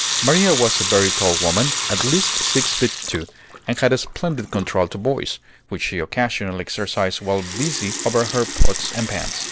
Maria was a very tall woman, at least six feet two, and had a splendid contralto voice, which she occasionally exercised while busy over her pots and pans.